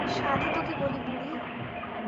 সাধে তোকে বলি বুড়ি?